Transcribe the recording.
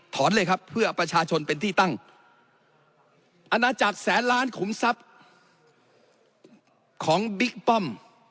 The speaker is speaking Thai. เลยครับเพื่อประชาชนเป็นที่ตั้งอาณาจักรแสนล้านขุมทรัพย์ของบิ๊กป้อม